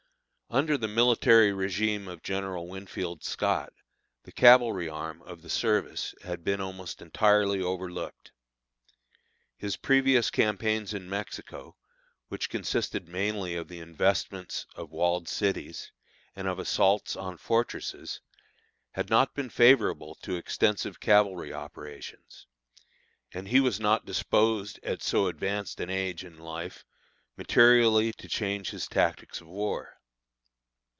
Under the military régime of General Winfield Scott, the cavalry arm of the service had been almost entirely overlooked. His previous campaigns in Mexico, which consisted mainly of the investments of walled cities, and of assaults on fortresses, had not been favorable to extensive cavalry operations, and he was not disposed at so advanced an age in life materially to change his tactics of war.